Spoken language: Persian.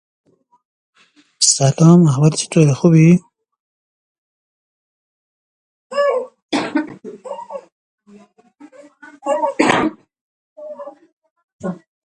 ستاد کل